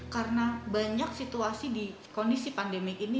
karena banyak situasi di kondisi pandemi ini